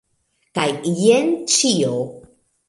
Kaj jen ĉio!